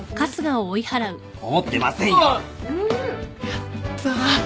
やった。